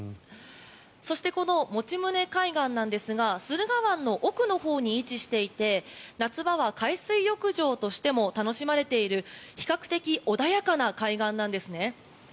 そしてこの用宗海岸なんですが駿河湾の奥のほうに位置していて夏場は海水浴場としても楽しまれている比較的穏やかな海岸なんですね。